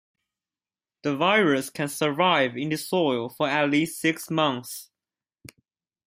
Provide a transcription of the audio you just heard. The virus can survive in the soil for at least six months.